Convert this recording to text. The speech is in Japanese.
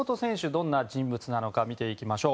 どんな人物なのか見ていきましょう。